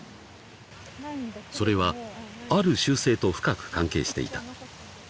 ［それはある習性と深く関係していた］